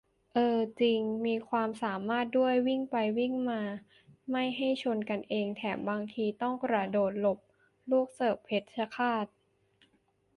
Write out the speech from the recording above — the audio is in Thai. เอ้อ จริง มีความสามารถด้วย วิ่งไปวิ่งมาทำไงไม่ให้ชนกันเอง แถมบางทีต้องกระโดดหลบลูกเสิร์ฟเพชรฆาต !